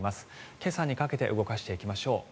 今朝にかけて動かしていきましょう。